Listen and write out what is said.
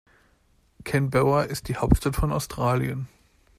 Canberra ist die Hauptstadt von Australien.